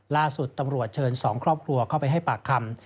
ล่าสุดตำรวจเชิญ๒ครอบครัวเข้าไปให้ปากคำ